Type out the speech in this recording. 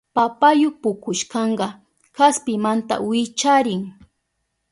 Papayu pukushpanka kaspimanta wicharin.